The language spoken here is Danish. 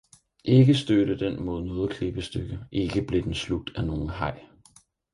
ikke stødte den mod noget klippestykke, ikke blev den slugt af nogen haj.